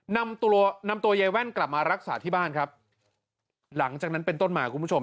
นำตัวนำตัวยายแว่นกลับมารักษาที่บ้านครับหลังจากนั้นเป็นต้นมาคุณผู้ชม